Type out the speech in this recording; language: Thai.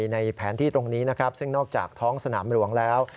ในแผนที่ตรงนี้นะครับซึ่งนอกจากท้องสนามหลวงแล้ว